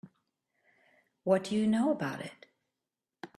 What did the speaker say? What do you know about it?